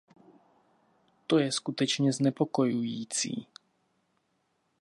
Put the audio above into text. To je skutečně znepokojující.